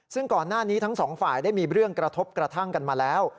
ซึ่งก่อนหน้านี้ทั้งสองฝ่ายได้มีเรื่องกระทบกระทั่งกันมาแล้ว